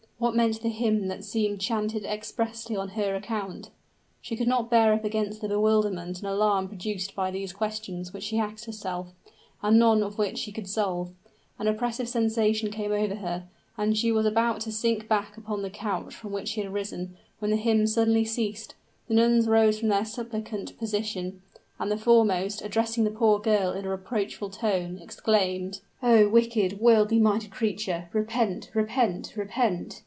what meant the hymn that seemed chanted expressly on her account? She could not bear up against the bewilderment and alarm produced by these questions which she asked herself, and none of which she could solve. An oppressive sensation came over her; and she was about to sink back upon the couch from which she had risen, when the hymn suddenly ceased the nuns rose from their suppliant posture and the foremost, addressing the poor girl in a reproachful tone, exclaimed, "Oh! wicked worldly minded creature, repent repent repent!"